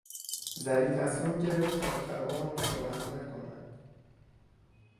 زری تصمیم گرفت تا آخر عمر شوهر نکند.